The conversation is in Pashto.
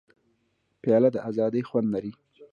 پیاله د ازادۍ خوند لري.